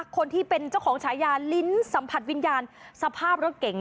คนที่เป็นเจ้าของฉายาลิ้นสัมผัสวิญญาณสภาพรถเก๋ง